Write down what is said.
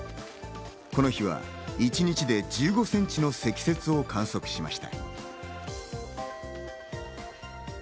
この日は一日で１５センチの積雪を観測しました。